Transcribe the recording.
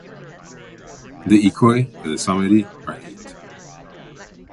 The echoi of the psalmody are eight.